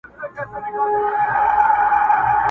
که مي څوک په امیری شمېري امیر یم »٫